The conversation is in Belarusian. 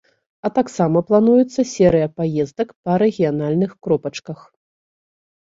А таксама плануецца серыя паездак па рэгіянальных кропачках.